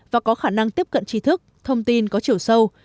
và có khả năng tiếp cận trí thức thông tin có chiều sâu